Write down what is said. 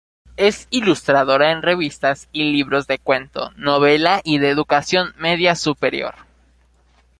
Es ilustradora en revistas y libros de cuento, novela y de educación media superior.